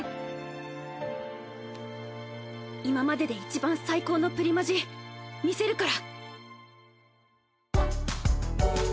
今まででいちばん最高のプリマジ見せるから！